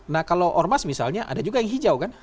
nah kalau ormas misalnya ada juga yang hijau kan